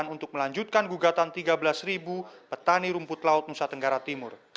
untuk melanjutkan gugatan tiga belas petani rumput laut nusa tenggara timur